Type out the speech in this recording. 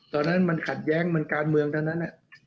ตอนนั้นมันขัดแย้งมันการเมืองทั้งนั้น